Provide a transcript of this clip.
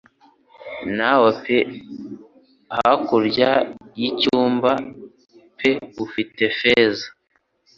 Nawe pe hakurya y'icyambu pe ufite feza